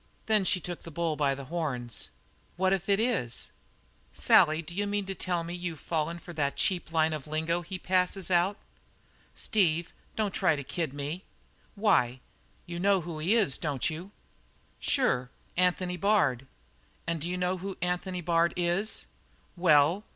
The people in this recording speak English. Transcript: Then she took the bull by the horns. "What if it is?" "Sally, d'you mean to say you've fallen for that cheap line of lingo he passes out?" "Steve, don't try to kid me." "Why, you know who he is, don't you?" "Sure; Anthony Bard." "And do you know who Anthony Bard is?" "Well?"